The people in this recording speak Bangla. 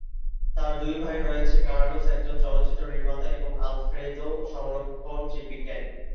তার দুই ভাই রয়েছে, কার্লোস একজন চলচ্চিত্র নির্মাতা এবং আলফ্রেদো সংরক্ষণ জীববিজ্ঞানী।